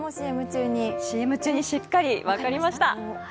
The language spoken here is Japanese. ＣＭ中にしっかり分かりました。